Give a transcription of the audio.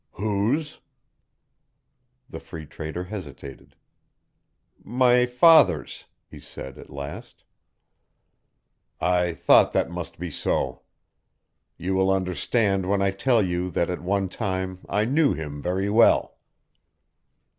"Whose?" The Free Trader hesitated. "My father's," he said, at last. "I thought that must be so. You will understand when I tell you that at one time I knew him very well."